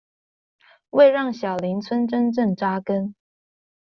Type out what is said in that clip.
為讓小林村真正扎根